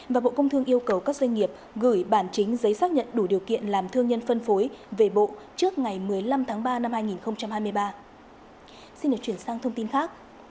và bộ công thương yêu cầu các doanh nghiệp gửi bản chính giấy xác nhận đủ điều kiện làm thương nhân phân phối về bộ trước ngày một mươi năm tháng ba năm hai nghìn hai mươi ba